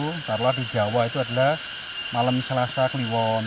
antara di jawa itu adalah malam selasa kliwon